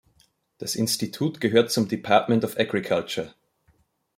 Das Institut gehört zum Department of Agriculture.